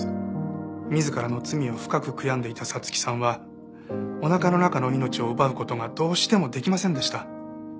自らの罪を深く悔やんでいた彩月さんはおなかの中の命を奪う事がどうしてもできませんでした。